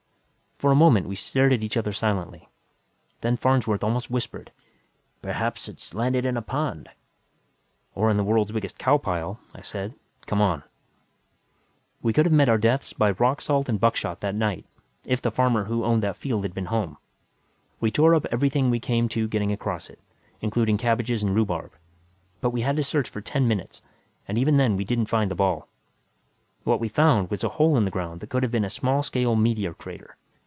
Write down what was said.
For a moment, we stared at each other silently. Then Farnsworth almost whispered, "Perhaps it's landed in a pond." "Or in the world's biggest cow pile," I said. "Come on!" We could have met our deaths by rock salt and buckshot that night, if the farmer who owned that field had been home. We tore up everything we came to getting across it including cabbages and rhubarb. But we had to search for ten minutes, and even then we didn't find the ball. What we found was a hole in the ground that could have been a small scale meteor crater.